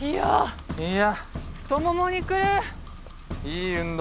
いい運動。